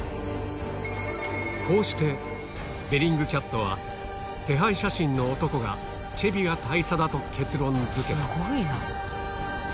こうして、ベリングキャットは、手配写真の男がチェピガ大佐だと結論づけた。